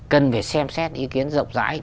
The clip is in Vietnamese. cần phải xem xét ý kiến rộng rãi